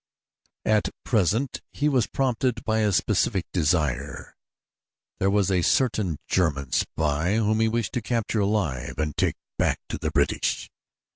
At present he was prompted by a specific desire. There was a certain German spy whom he wished to capture alive and take back to the British.